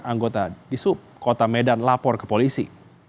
anggota di sub kota medan lapor ke polisi